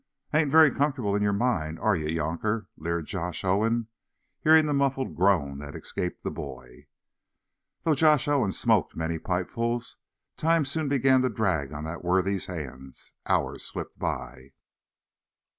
"Ain't very comfortable in yer mind, are ye, younker?" leered Josh Owen, hearing the muffled groan that escaped the boy. Though Josh Owen smoked many pipefuls, time soon began to drag on that worthy's hands. Hours slipped by.